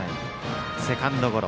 セカンドゴロ。